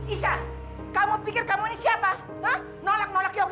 isa kamu pikir kamu ini siapa nolak nolak yoga